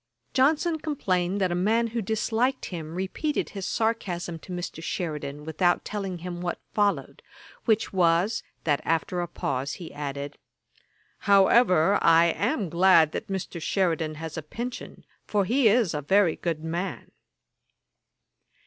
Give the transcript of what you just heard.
] Johnson complained that a man who disliked him repeated his sarcasm to Mr. Sheridan, without telling him what followed, which was, that after a pause he added, 'However, I am glad that Mr. Sheridan has a pension, for he is a very good man.'